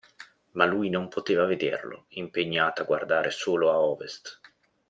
Ma lui non poteva vederlo, impegnato a guardare solo a Ovest.